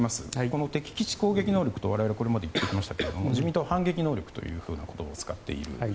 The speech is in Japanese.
この敵基地攻撃能力と我々はこれまで言ってきましたが自民党は反撃能力というふうな言葉を使っている。